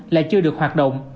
lại chưa được hoạt động